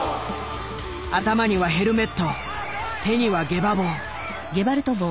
頭にはヘルメット手にはゲバ棒。